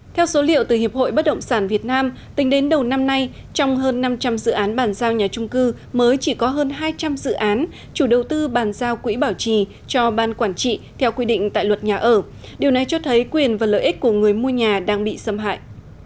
theo số liệu từ hiệp hội bất động sản việt nam tính đến đầu năm nay trong hơn năm trăm linh dự án bàn giao nhà trung cư mới chỉ có hơn hai trăm linh dự án chủ đầu tư bàn giao quỹ bảo trì cho ban quản trị theo quy định tại luật nhà ở điều này cho thấy quyền và lợi ích của người mua nhà đang bị xâm hại